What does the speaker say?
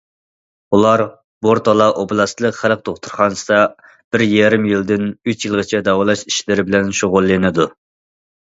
ئۇلار بورتالا ئوبلاستلىق خەلق دوختۇرخانىسىدا بىر يېرىم يىلدىن ئۈچ يىلغىچە داۋالاش ئىشلىرى بىلەن شۇغۇللىنىدۇ.